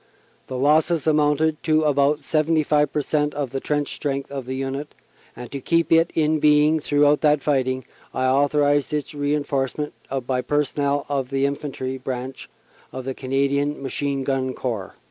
The losses amounted to about 75 per cent, of the trench strength of the Unit, and to keep it in being throughout that fighting, I authorized its reinforcement by personnel of the Infantry branch of the Canadian Machine Gun Corps."